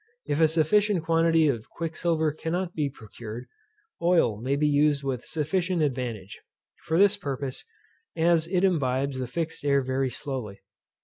If a sufficient quantity of quicksilver cannot be procured, oil may be used with sufficient advantage, for this purpose, as it imbibes the fixed air very slowly.